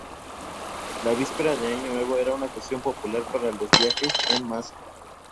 La víspera de Año Nuevo era una ocasión popular para los viajes en masa.